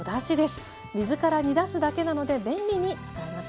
水から煮出すだけなので便利に使えますよ。